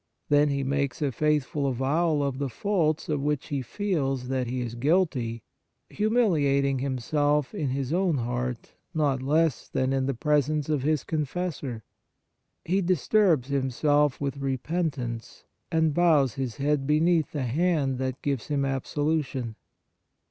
Then he makes a faithful avowal of the faults of which he feels that he is guilty, humiliating himself in his own heart not less than in the presence of his confessor. He disturbs himself with repentance and bows his head beneath the hand that gives him absolu tion.